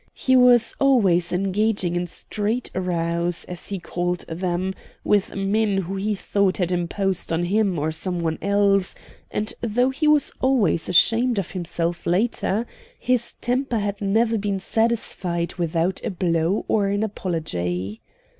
He was always engaging in street rows, as he called them, with men who he thought had imposed on him or on some one else, and though he was always ashamed of himself later, his temper had never been satisfied without a blow or an apology.